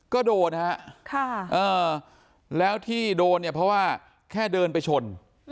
ก็โดนฮะแล้วที่โดนเนี่ยเพราะว่าแค่เดินไปชน